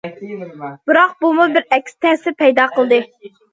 بىراق بۇمۇ بىر ئەكس تەسىر پەيدا قىلدى.